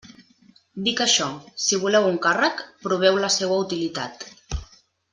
Dic això: si voleu un càrrec, proveu la seua utilitat.